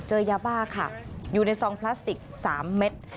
เจอยาบ้าค่ะอยู่ในซองพลาสติก๓เม็ด